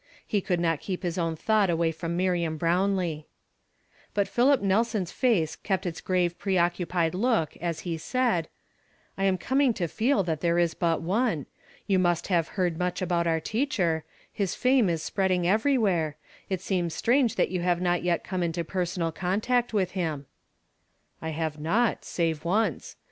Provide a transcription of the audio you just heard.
He could not keep his own thought away from Miriam Brownlee. But Philip Nelson's face kept its gr ive pre occupied look, as he said :" I am coming to feel that there is but one. You must have heard much about our teacher; his fame is spreading everywhere ; it seems strange that you have not yet come into pei sonal contact with him." " I have not, save once.